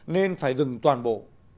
nên phải dừng toàn bộ